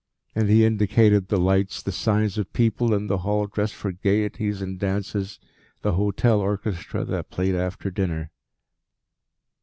And he indicated the lights, the signs of people in the hall dressed for gaieties and dances, the hotel orchestra that played after dinner.